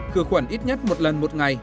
khử khuẩn ít nhất một lần một ngày